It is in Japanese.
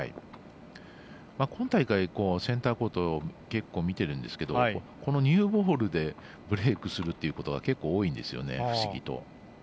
今大会センターコートを結構見てるんですけどニューボールでブレークするということが結構、多いんですよね、不思議と。